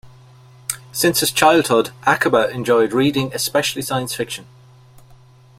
Since his childhood, Acaba enjoyed reading, especially science fiction.